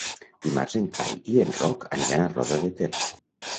Dimarts en Cai i en Roc aniran a Roda de Ter.